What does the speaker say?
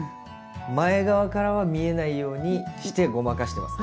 前側からは見えないようにしてごまかしてます。